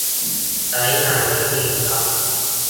ใช้งานได้ดีครับ